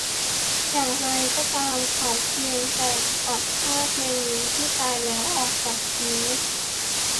อย่างไรก็ตาม เขาเพียงแต่ปัดซากแมงมุมที่ตายแล้วออกจากคิ้ว